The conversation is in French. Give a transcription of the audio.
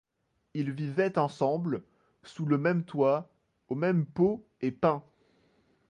Ils vivaient ensemble, sous le même toit, au même pot et pain.